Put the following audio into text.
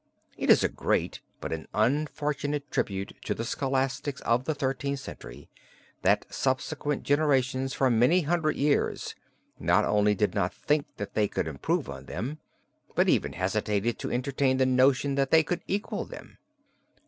It is a great but an unfortunate tribute to the scholastics of the Thirteenth Century that subsequent generations for many hundred years not only did not think that they could improve on them, but even hesitated to entertain the notion that they could equal them.